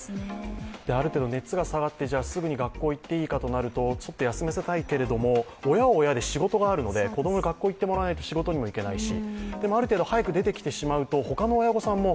ある程度熱が下がって、すぐに学校いっていいかというと、ちょっと休ませたいけど親は親で仕事があるので、子供が学校行ってくれないと仕事にもいけないし。